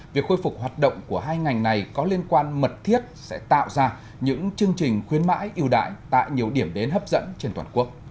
việc khôi phục hoạt động của hai ngành này có liên quan mật thiết sẽ tạo ra những chương trình khuyến mãi yêu đại tại nhiều điểm đến hấp dẫn trên toàn quốc